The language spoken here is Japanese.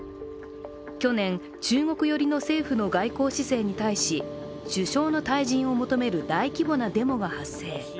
去年、中国寄りの政府の外交姿勢に対し首相の退陣を求める大規模なデモが発生。